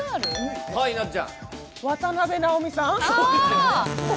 渡辺直美さん？